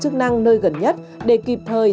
chức năng nơi gần nhất để kịp thời